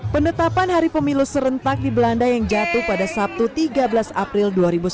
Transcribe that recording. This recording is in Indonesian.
penetapan hari pemilu serentak di belanda yang jatuh pada sabtu tiga belas april dua ribu sembilan belas